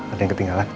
ada yang ketinggalan